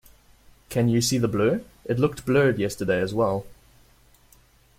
Can you see the blur? It looked blurred yesterday, as well.